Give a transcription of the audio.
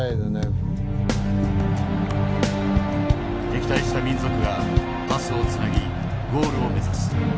敵対した民族がパスをつなぎゴールを目指す。